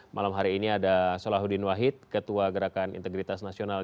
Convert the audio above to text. malam hari ini ada solahuddin wahid ketua gerakan integritas nasional